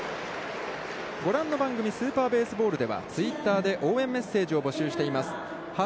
ご覧の番組「スーパーベースボール」では、ツイッターで応援メッセージを募集しています。